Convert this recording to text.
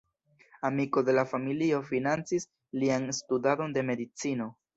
Amiko de la familio financis lian studadon de medicino.